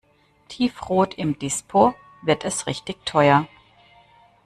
"Tiefrot im Dispo" wird es richtig teuer.